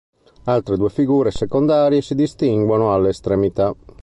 Altre due figure secondarie si distinguono alle estremità.